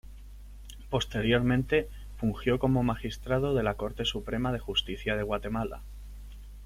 Posteriormente fungió como magistrado de la Corte Suprema de Justicia de Guatemala.